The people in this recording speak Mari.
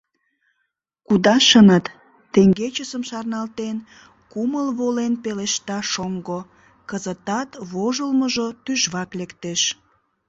— Кудашыныт... — теҥгечысым шарналтен, кумыл волен пелешта шоҥго, кызытат вожылмыжо тӱжвак лектеш.